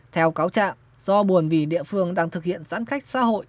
theo cáo trạng do buồn vì địa phương đang thực hiện giãn cách xã hội